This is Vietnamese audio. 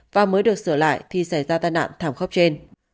và mới được sửa lại thì xảy ra tai nạn thảm khốc trên